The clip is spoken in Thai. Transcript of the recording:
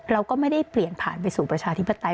เราก็ไม่ได้เปลี่ยนผ่านไปสู่ประชาธิปไตย